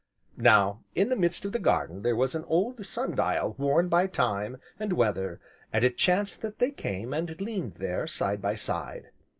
Now, in the midst of the garden there was an old sun dial worn by time, and weather, and it chanced that they came, and leaned there, side by side.